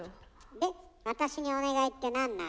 で私にお願いってなんなの？